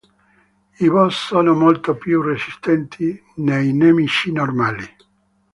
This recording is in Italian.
I boss sono molto più resistenti dei nemici normali.